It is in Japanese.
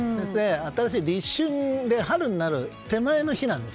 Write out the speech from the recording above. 立春で、春になる手前の日なんです。